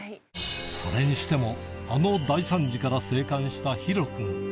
それにしてもあの大惨事から生還したヒロ君